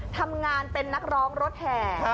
ทำงานเป็นนักร้องรถแห่